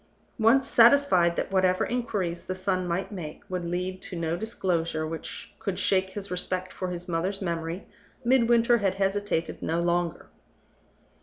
Once satisfied that whatever inquiries the son might make would lead to no disclosure which could shake his respect for his mother's memory, Midwinter had hesitated no longer.